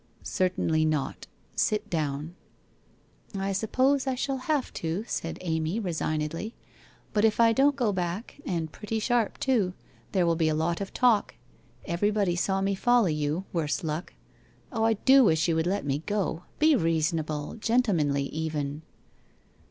' Certainly not. Sit down.' 1 I suppose I shall have to/ said Amy resignedly, * but if I don't go back, and pretty sharp too, there will be a lot of talk. Everybody saw me follow you, worse luck! Oh, I do wish you would let me go ! Be reasonable ! Gentle manly, even